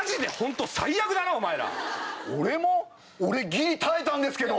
俺も⁉俺ギリ耐えたんですけど！